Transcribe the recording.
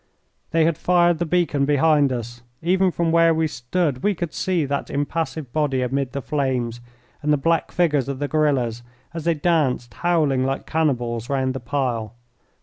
They had fired the beacon behind us. Even from where we stood we could see that impassive body amid the flames, and the black figures of the guerillas as they danced, howling like cannibals, round the pile.